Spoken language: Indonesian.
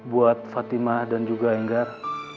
buat fatimah dan juga enggar